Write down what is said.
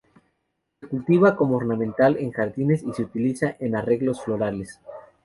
Se cultiva como ornamental en jardines y se utiliza en arreglos florales.